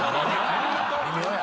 微妙や。